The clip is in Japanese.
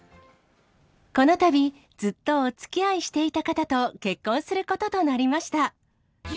このたび、ずっとおつきあいしていた方と結婚することとなりました。